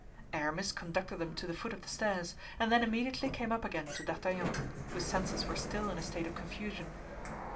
Aramis conducted them to the foot of the stairs, and then immediately came up again to D'Artagnan, whose senses were still in a state of confusion.